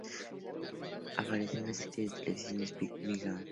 Aparecieron en la serie de televisión de Spike Milligan.